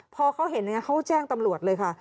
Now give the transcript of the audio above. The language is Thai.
พอเขาเห็นเขาแจ้งตำรวจเลยค่ะ